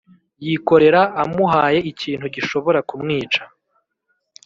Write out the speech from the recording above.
yikorera amuhaye ikintu gishobora kumwica